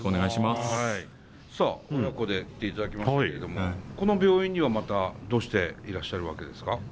さあ親子で来ていただきましたけれどもこの病院にはまたどうしていらっしゃるわけですか？